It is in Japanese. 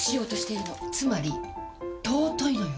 つまり尊いのよ！